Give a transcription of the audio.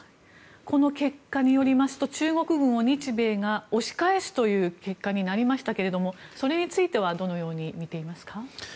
この結果によりますと中国軍を日米が押し返すという結果になりましたけどもそれについてはどのようにみていますか？